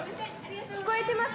聞こえてます。